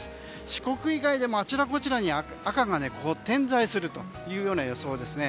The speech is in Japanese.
四国以外でもあちらこちらに赤が点在するような予想ですね。